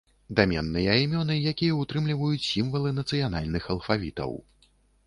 Даменныя імёны, якія ўтрымліваюць сімвалы нацыянальных алфавітаў.